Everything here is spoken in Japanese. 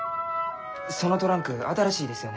そのトランク新しいですよね？